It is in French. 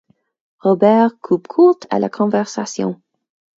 Robert coupe court à la conversation.